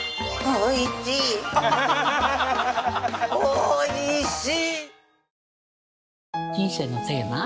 おいしい！